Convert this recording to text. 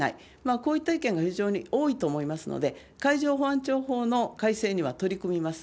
こういった意見が非常に多いと思いますので、海上保安庁法の改正には取り組みます。